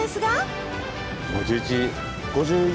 ５１。